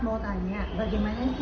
mau tanya bagaimana sih kalau